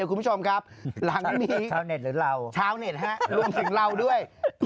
คุณผู้ชมครับหลังนี้ชาวเน็ตหรือเราชาวเน็ตรวมถึงเราด้วย